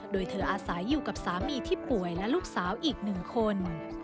โดยเธออาศัยอยู่กับสามีที่ป่วยและลูกสาวอีกหนึ่งคน